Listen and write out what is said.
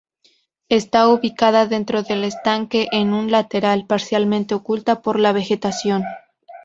Está ubicada dentro del estanque, en un lateral, parcialmente oculta por la vegetación.